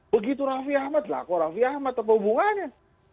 begitu raffi ahmad laku raffi ahmad apa hubungannya